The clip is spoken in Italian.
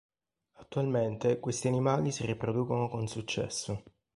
Attualmente questi animali si riproducono con successo.